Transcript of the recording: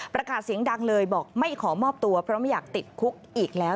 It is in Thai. ประกาศเสียงดังเลยบอกไม่ขอมอบตัวเพราะไม่อยากติดคุกอีกแล้ว